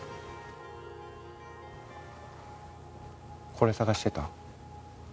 これ捜してた？